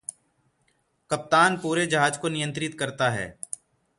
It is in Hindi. कप्तान पूरे जहाज़ को नियंत्रित करता है।